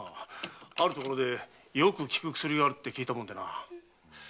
あるところでよく効く薬があるって聞いたもんでな。